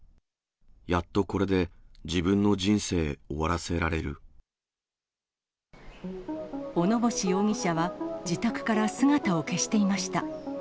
やっとこれで、小野星容疑者は自宅から姿を消していました。